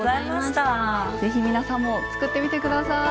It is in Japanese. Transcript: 是非皆さんも作ってみて下さい。